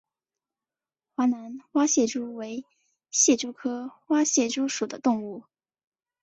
华南花蟹蛛为蟹蛛科花蟹蛛属的动物。